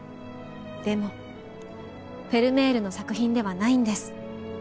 でもフェルメールの作品ではないんです。